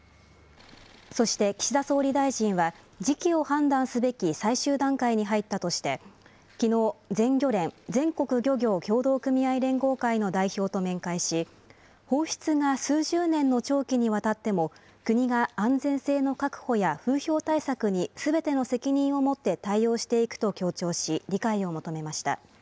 そして岸田総理大臣は、時期を判断すべき最終段階に入ったとして、きのう、全漁連・全国漁業協同組合連合会の代表と面会し、放出が数十年の長期にわたっても、国が安全性の確保や風評対策にすべての責任を持って対応していくと強調し、理解を求めました。